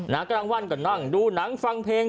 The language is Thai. กลางวันก็นั่งดูหนังฟังเพลง